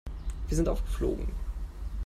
Wir sind aufgeflogen.